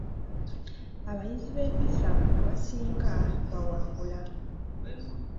Abayizi b'empisa abasinga bawangula.